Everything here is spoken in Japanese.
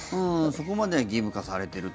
そこまで義務化されている。